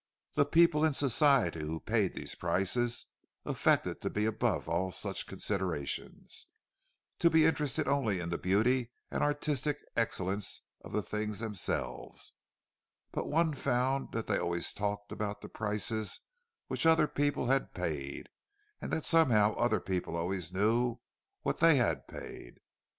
The people in Society who paid these prices affected to be above all such considerations, to be interested only in the beauty and artistic excellence of the things themselves; but one found that they always talked about the prices which other people had paid, and that somehow other people always knew what they had paid.